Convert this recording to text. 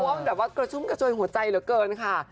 เพราะว่ามันแบบว่ากระชุ่มกระชวยหัวใจเหลือเกินค่ะ